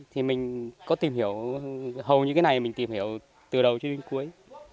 thì mình có tìm hiểu hầu như cái này mình tìm hiểu từ đầu cho đến cuối